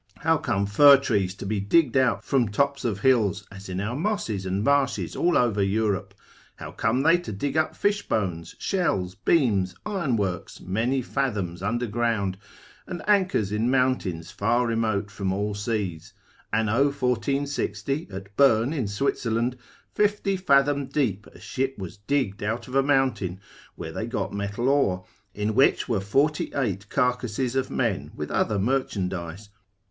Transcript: how come fir trees to be digged out from tops of hills, as in our mosses, and marshes all over Europe? How come they to dig up fish bones, shells, beams, ironworks, many fathoms under ground, and anchors in mountains far remote from all seas? Anno 1460 at Bern in Switzerland 50 fathom deep a ship was digged out of a mountain, where they got metal ore, in which were 48 carcasses of men, with other merchandise.